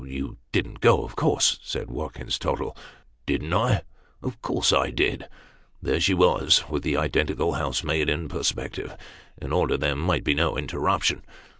" You didn't go, of course ?" said Watkins Tottle. " Didn't I ? Of course I did. There she was, with the identical housemaid in perspective, in order that there might be no interruption.